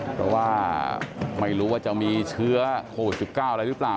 เพราะว่าไม่รู้ว่าจะมีเชื้อโควิด๑๙อะไรหรือเปล่า